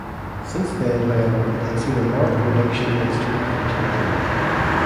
Since then however it has seen a marked reduction in its total fertility rate.